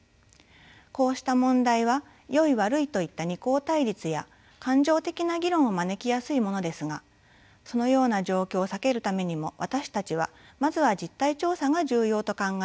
こうした問題はよい悪いといった二項対立や感情的な議論を招きやすいものですがそのような状況を避けるためにも私たちはまずは実態調査が重要と考えました。